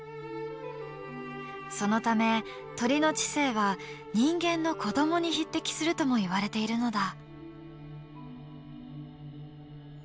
そのため鳥の知性は人間の子どもに匹敵するともいわれているのだ。